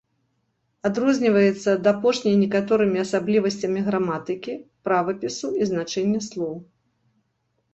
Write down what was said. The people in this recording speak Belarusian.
Адрозніваецца ад апошняй некаторымі асаблівасцямі граматыкі, правапісу і значэння слоў.